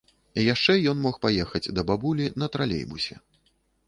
Яшчэ ён мог паехаць да бабулі на тралейбусе.